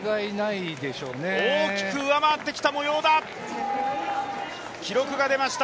大きく上回ってきた模様だ。